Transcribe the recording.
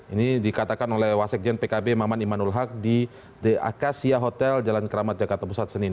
ini dikatakan oleh wasekjen pkb maman imanul haq di the akasia hotel jalan keramat jakarta pusat senin